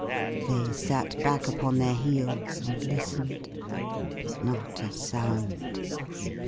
They sat back upon their heels and listened. Not a sound.